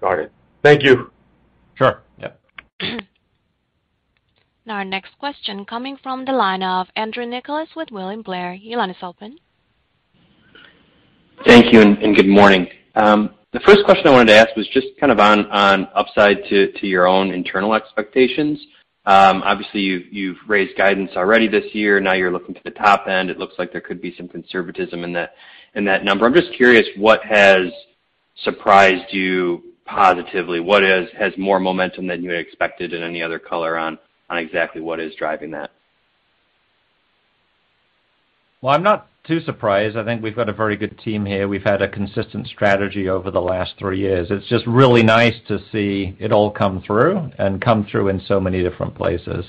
Speaker 9: Got it. Thank you.
Speaker 3: Sure. Yep.
Speaker 1: Now our next question coming from the line of Andrew Nicholas with William Blair. Your line is open.
Speaker 10: Thank you, good morning. The first question I wanted to ask was just kind of on upside to your own internal expectations. Obviously, you've raised guidance already this year. Now you're looking to the top end. It looks like there could be some conservatism in that number. I'm just curious what has surprised you positively? What has more momentum than you had expected and any other color on exactly what is driving that?
Speaker 3: Well, I'm not too surprised. I think we've got a very good team here. We've had a consistent strategy over the last three years. It's just really nice to see it all come through in so many different places.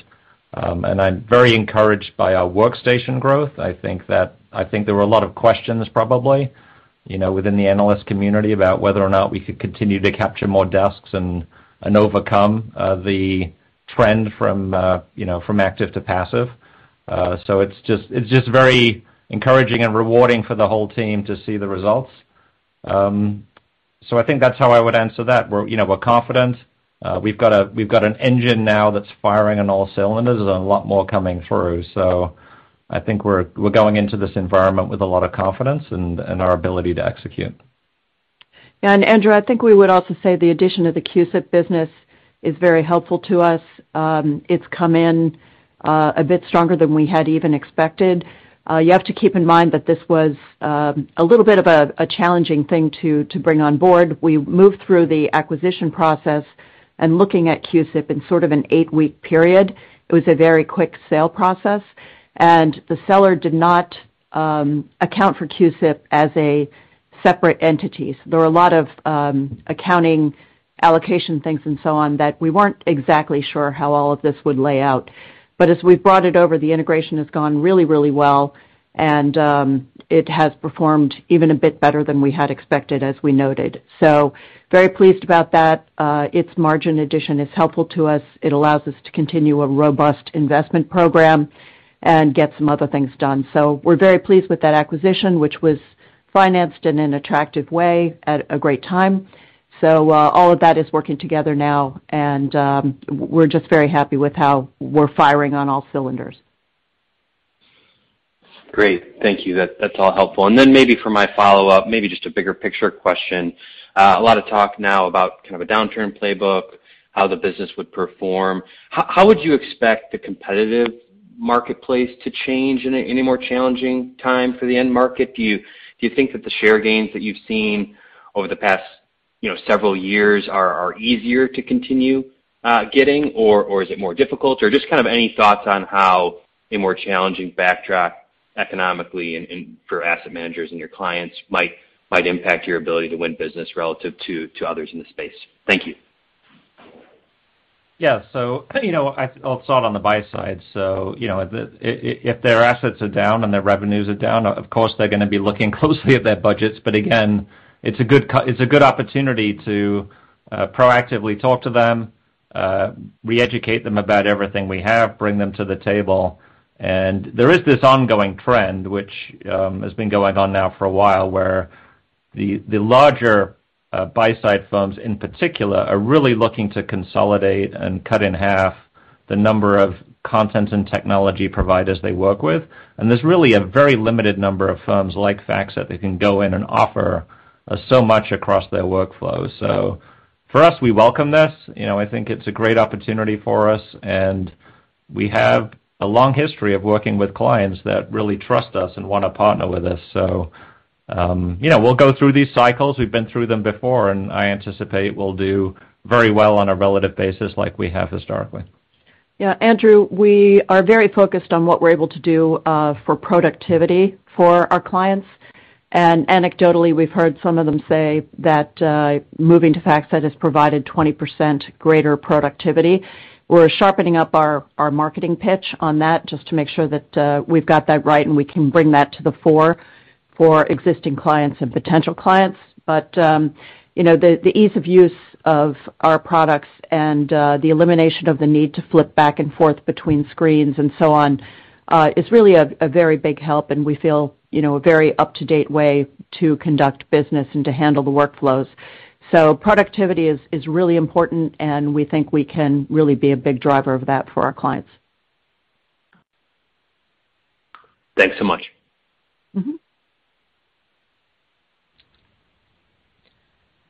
Speaker 3: I'm very encouraged by our workstation growth. I think there were a lot of questions probably, you know, within the analyst community about whether or not we could continue to capture more desks and overcome the trend from, you know, from active to passive. It's just very encouraging and rewarding for the whole team to see the results. I think that's how I would answer that. We're, you know, confident. We've got an engine now that's firing on all cylinders. There's a lot more coming through. I think we're going into this environment with a lot of confidence and our ability to execute.
Speaker 4: Andrew, I think we would also say the addition of the CUSIP business is very helpful to us. It's come in a bit stronger than we had even expected. You have to keep in mind that this was a little bit of a challenging thing to bring on board. We moved through the acquisition process and looking at CUSIP in sort of an eight-week period. It was a very quick sale process, and the seller did not account for CUSIP as a separate entity. There were a lot of accounting allocation things and so on that we weren't exactly sure how all of this would lay out. As we've brought it over, the integration has gone really, really well, and it has performed even a bit better than we had expected, as we noted. Very pleased about that. Its margin addition is helpful to us. It allows us to continue a robust investment program and get some other things done. We're very pleased with that acquisition, which was financed in an attractive way at a great time. All of that is working together now, and we're just very happy with how we're firing on all cylinders.
Speaker 10: Great. Thank you. That's all helpful. Maybe for my follow-up, maybe just a bigger picture question. A lot of talk now about kind of a downturn playbook, how the business would perform. How would you expect the competitive marketplace to change in a more challenging time for the end market? Do you think that the share gains that you've seen over the past, you know, several years are easier to continue getting, or is it more difficult? Or just kind of any thoughts on how a more challenging backdrop economically and for asset managers and your clients might impact your ability to win business relative to others in the space? Thank you.
Speaker 3: Yeah. You know, I also on the buy side. You know, if their assets are down and their revenues are down, of course, they're gonna be looking closely at their budgets. But again, it's a good opportunity to proactively talk to them, re-educate them about everything we have, bring them to the table. There is this ongoing trend, which has been going on now for a while, where the larger buy side firms in particular are really looking to consolidate and cut in half the number of content and technology providers they work with. There's really a very limited number of firms like FactSet that can go in and offer so much across their workflow. For us, we welcome this. You know, I think it's a great opportunity for us, and we have a long history of working with clients that really trust us and wanna partner with us. You know, we'll go through these cycles. We've been through them before, and I anticipate we'll do very well on a relative basis like we have historically.
Speaker 4: Yeah, Andrew, we are very focused on what we're able to do for productivity for our clients. Anecdotally, we've heard some of them say that moving to FactSet has provided 20% greater productivity. We're sharpening up our marketing pitch on that just to make sure that we've got that right and we can bring that to the fore for existing clients and potential clients. You know, the ease of use of our products and the elimination of the need to flip back and forth between screens and so on is really a very big help and we feel, you know, a very up-to-date way to conduct business and to handle the workflows. Productivity is really important, and we think we can really be a big driver of that for our clients.
Speaker 10: Thanks so much.
Speaker 4: Mm-hmm.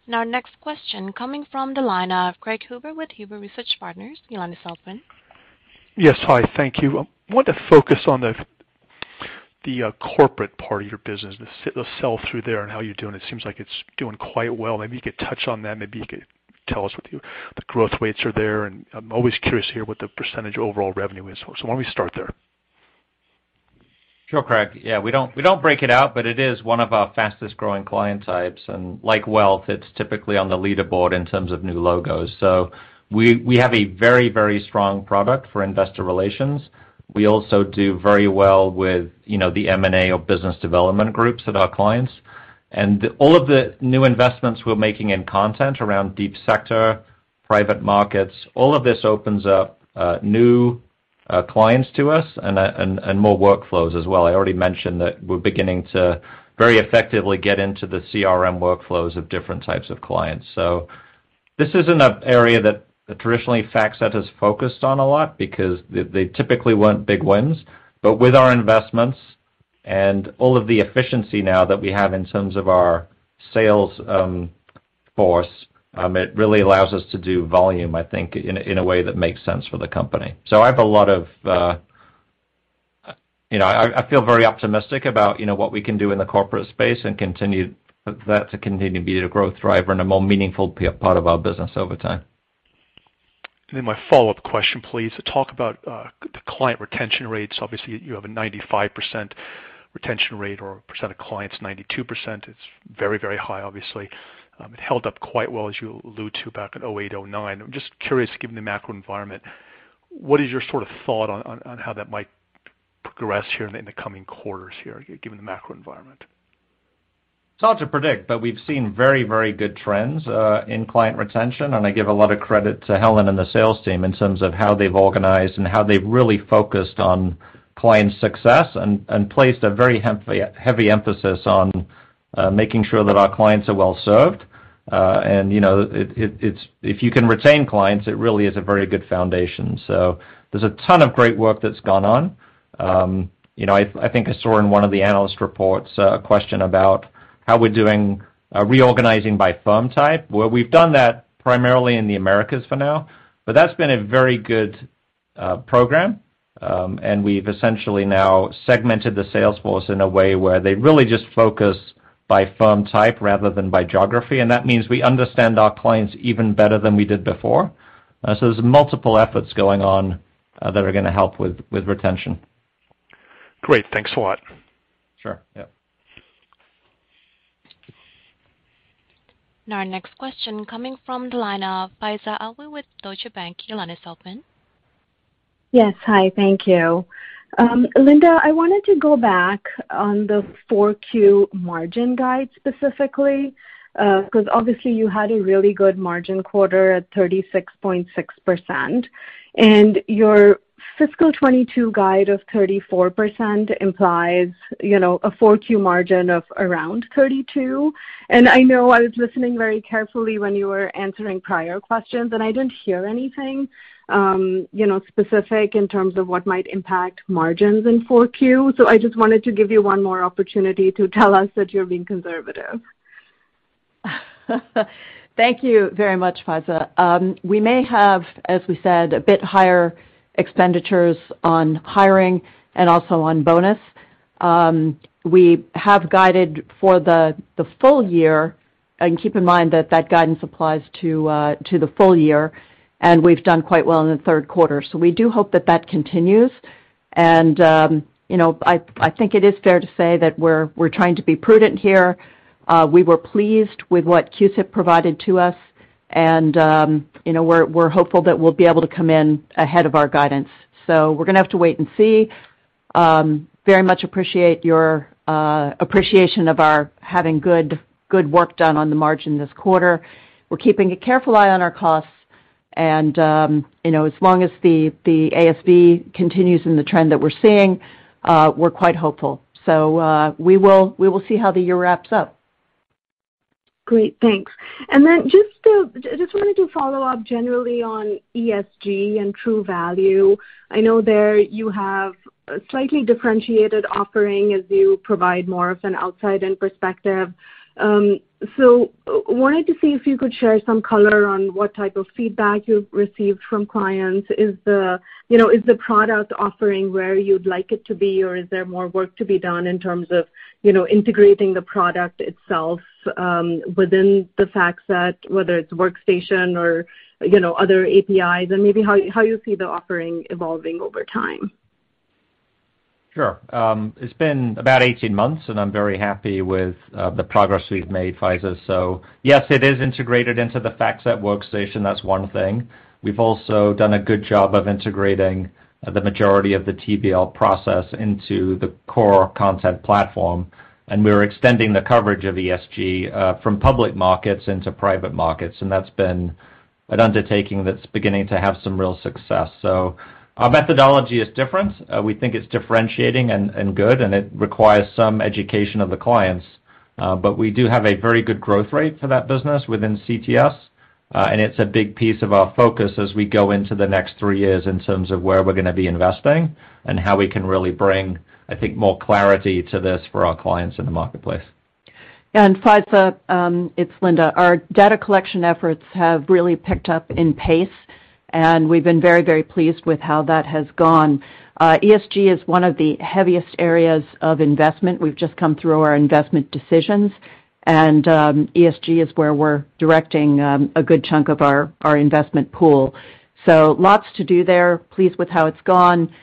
Speaker 1: Now our next question coming from the line of Craig Huber with Huber Research Partners. Your line is open.
Speaker 11: Yes. Hi, thank you. I want to focus on the corporate part of your business, the sell through there and how you're doing. It seems like it's doing quite well. Maybe you could touch on that. Maybe you could tell us what the growth rates are there, and I'm always curious to hear what the percentage overall revenue is. Why don't we start there?
Speaker 3: Sure, Craig. Yeah, we don't break it out, but it is one of our fastest-growing client types. Like wealth, it's typically on the leaderboard in terms of new logos. We have a very, very strong product for investor relations. We also do very well with, you know, the M&A or business development groups of our clients. All of the new investments we're making in content around deep sector, private markets, all of this opens up new clients to us and more workflows as well. I already mentioned that we're beginning to very effectively get into the CRM workflows of different types of clients. This isn't an area that traditionally FactSet has focused on a lot because they typically weren't big wins. With our investments and all of the efficiency now that we have in terms of our sales force, it really allows us to do volume, I think in a way that makes sense for the company. I have a lot of. You know, I feel very optimistic about, you know, what we can do in the corporate space and continue to be a growth driver and a more meaningful part of our business over time.
Speaker 11: My follow-up question, please. Talk about the client retention rates. Obviously, you have a 95% retention rate or percent of clients, 92%. It's very, very high, obviously. It held up quite well as you allude to back in 2008, 2009. I'm just curious, given the macro environment, what is your sort of thought on how that might progress here in the coming quarters here, given the macro environment?
Speaker 3: It's hard to predict, but we've seen very good trends in client retention, and I give a lot of credit to Helen and the sales team in terms of how they've organized and how they've really focused on client success and placed a very heavy emphasis on making sure that our clients are well served. You know, it's if you can retain clients, it really is a very good foundation. There's a ton of great work that's gone on. You know, I think I saw in one of the analyst reports a question about how we're doing reorganizing by firm type. Well, we've done that primarily in the Americas for now, but that's been a very good program. We've essentially now segmented the sales force in a way where they really just focus by firm type rather than by geography, and that means we understand our clients even better than we did before. There's multiple efforts going on, that are gonna help with retention.
Speaker 11: Great. Thanks a lot.
Speaker 3: Sure. Yeah.
Speaker 1: Now our next question coming from the line of Faiza Alwy with Deutsche Bank. Your line is open.
Speaker 12: Yes. Hi, thank you. Linda, I wanted to go back on the 4Q margin guide specifically, 'cause obviously you had a really good margin quarter at 36.6%. Your fiscal 2022 guide of 34% implies, you know, a 4Q margin of around 32%. I know I was listening very carefully when you were answering prior questions, and I didn't hear anything, you know, specific in terms of what might impact margins in 4Q. I just wanted to give you one more opportunity to tell us that you're being conservative.
Speaker 4: Thank you very much, Faiza. We may have, as we said, a bit higher expenditures on hiring and also on bonus. We have guided for the full year, and keep in mind that that guidance applies to the full year, and we've done quite well in the third quarter. We do hope that that continues. You know, I think it is fair to say that we're trying to be prudent here. We were pleased with what CUSIP provided to us, and you know, we're hopeful that we'll be able to come in ahead of our guidance. We're gonna have to wait and see. Very much appreciate your appreciation of our having good work done on the margin this quarter. We're keeping a careful eye on our costs, and, you know, as long as the ASV continues in the trend that we're seeing, we're quite hopeful. We will see how the year wraps up.
Speaker 12: Great. Thanks. Just wanted to follow up generally on ESG and Truvalue Labs. I know that you have a slightly differentiated offering as you provide more of an outside-in perspective. So wanted to see if you could share some color on what type of feedback you've received from clients. Is the, you know, is the product offering where you'd like it to be, or is there more work to be done in terms of, you know, integrating the product itself within FactSet, whether it's Workstation or, you know, other APIs, and maybe how you see the offering evolving over time?
Speaker 3: Sure. It's been about 18 months, and I'm very happy with the progress we've made, Faiza. Yes, it is integrated into the FactSet workstation. That's one thing. We've also done a good job of integrating the majority of the TVL process into the core content platform, and we're extending the coverage of ESG from public markets into private markets, and that's been an undertaking that's beginning to have some real success. Our methodology is different. We think it's differentiating and good, and it requires some education of the clients. We do have a very good growth rate for that business within CTS, and it's a big piece of our focus as we go into the next three years in terms of where we're gonna be investing and how we can really bring, I think, more clarity to this for our clients in the marketplace.
Speaker 4: Faiza, it's Linda. Our data collection efforts have really picked up in pace, and we've been very, very pleased with how that has gone. ESG is one of the heaviest areas of investment. We've just come through our investment decisions, and ESG is where we're directing a good chunk of our investment pool. Lots to do there. Pleased with how it's gone.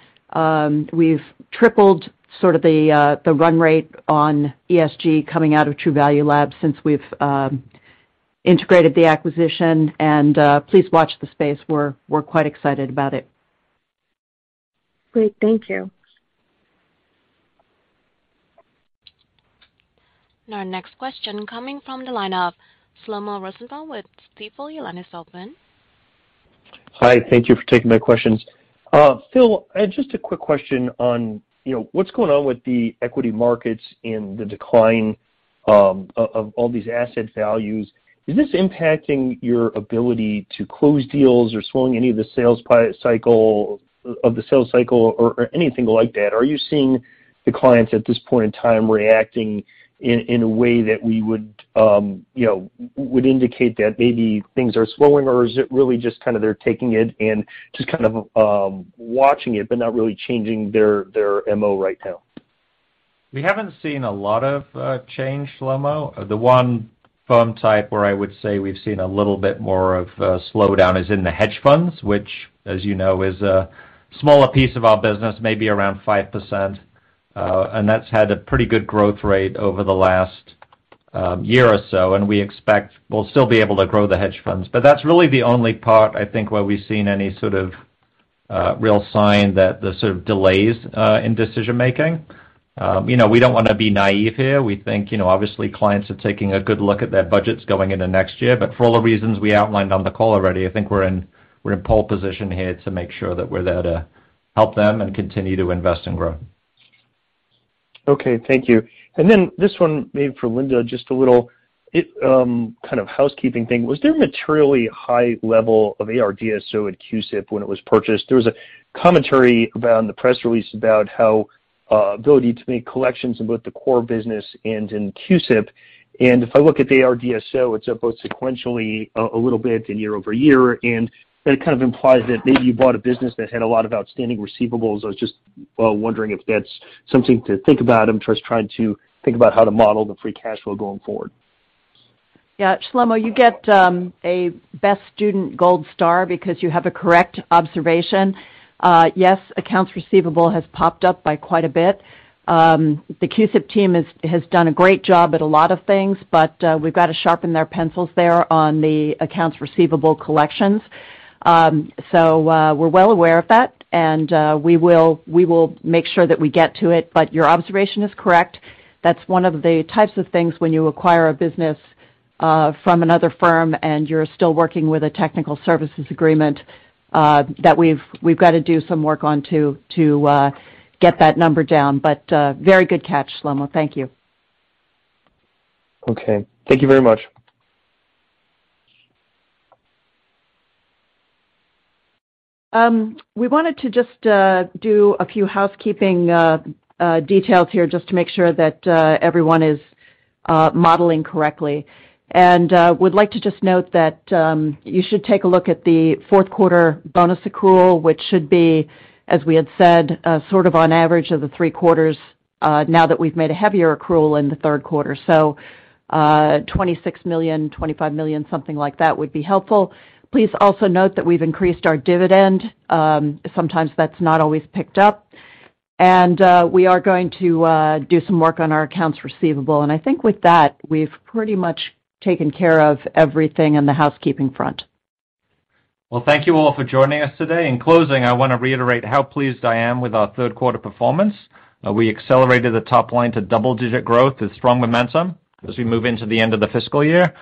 Speaker 4: We've tripled sort of the run rate on ESG coming out of Truvalue Labs since we've integrated the acquisition. Please watch the space. We're quite excited about it.
Speaker 12: Great. Thank you.
Speaker 1: Our next question coming from the line of Shlomo Rosenbaum with Stifel. Your line is open.
Speaker 13: Hi. Thank you for taking my questions. Phil, I had just a quick question on, you know, what's going on with the equity markets and the decline, of all these asset values. Is this impacting your ability to close deals or slowing any of the sales cycle or anything like that? Are you seeing the clients at this point in time reacting in a way that we would, you know, would indicate that maybe things are slowing, or is it really just kinda they're taking it and just kind of watching it but not really changing their MO right now?
Speaker 3: We haven't seen a lot of change, Shlomo. The one firm type where I would say we've seen a little bit more of slowdown is in the hedge funds, which, as you know, is a smaller piece of our business, maybe around 5%. That's had a pretty good growth rate over the last year or so, and we expect we'll still be able to grow the hedge funds. That's really the only part, I think, where we've seen any sort of real sign that there's sort of delays in decision-making. You know, we don't wanna be naive here. We think, you know, obviously clients are taking a good look at their budgets going into next year, but for all the reasons we outlined on the call already, I think we're in pole position here to make sure that we're there to help them and continue to invest and grow.
Speaker 13: Okay, thank you. This one maybe for Linda, just a little kind of housekeeping thing. Was there materially high level of AR DSO at CUSIP when it was purchased? There was a commentary around the press release about how ability to make collections in both the core business and in CUSIP. If I look at the AR DSO, it's up both sequentially a little bit and year over year. That kind of implies that maybe you bought a business that had a lot of outstanding receivables. I was just wondering if that's something to think about in terms of trying to think about how to model the free cash flow going forward.
Speaker 4: Yeah, Shlomo, you get a best student gold star because you have a correct observation. Yes, accounts receivable has popped up by quite a bit. The CUSIP team has done a great job at a lot of things, but we've got to sharpen their pencils there on the accounts receivable collections. We're well aware of that, and we will make sure that we get to it. Your observation is correct. That's one of the types of things when you acquire a business from another firm and you're still working with a technical services agreement that we've gotta do some work on to get that number down. Very good catch, Shlomo. Thank you.
Speaker 13: Okay. Thank you very much.
Speaker 4: We wanted to just do a few housekeeping details here just to make sure that everyone is modeling correctly. We would like to just note that you should take a look at the fourth quarter bonus accrual, which should be, as we had said, sort of on average of the three quarters, now that we've made a heavier accrual in the third quarter. $26 million, $25 million, something like that would be helpful. Please also note that we've increased our dividend. Sometimes that's not always picked up. We are going to do some work on our accounts receivable. I think with that, we've pretty much taken care of everything on the housekeeping front.
Speaker 3: Well, thank you all for joining us today. In closing, I wanna reiterate how pleased I am with our third quarter performance. We accelerated the top line to double-digit growth with strong momentum as we move into the end of the fiscal year.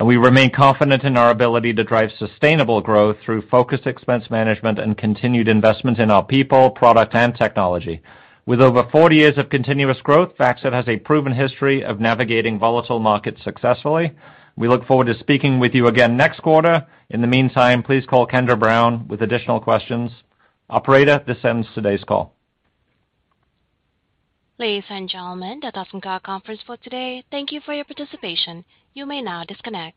Speaker 3: We remain confident in our ability to drive sustainable growth through focused expense management and continued investment in our people, product, and technology. With over 40 years of continuous growth, FactSet has a proven history of navigating volatile markets successfully. We look forward to speaking with you again next quarter. In the meantime, please call Kendra Brown with additional questions. Operator, this ends today's call.
Speaker 1: Ladies and gentlemen, that does end our conference for today. Thank you for your participation. You may now disconnect.